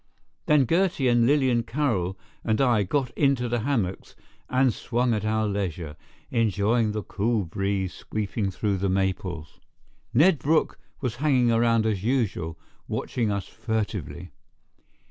Then Gertie and Lilian Carroll and I got into the hammocks and swung at our leisure, enjoying the cool breeze sweeping through the maples. Ned Brooke was hanging around as usual, watching us furtively.